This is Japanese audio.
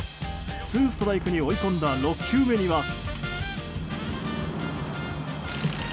ツーストライクに追い込んだ６球目には。